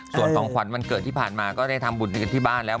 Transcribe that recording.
ส่วนของขวัญวันเกิดที่ผ่านมาก็ได้ทำบุญด้วยกันที่บ้านแล้ว